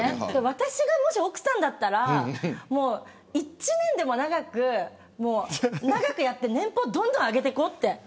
私が、もし奥さんだったら１年でも長く、長くやって年俸どんどん上げていこうって。